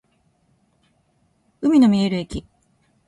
海の見える駅